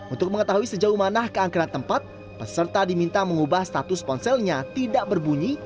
untuk mengetahui sejauh mana keangkeran tempat peserta diminta mengubah status ponselnya tidak berbunyi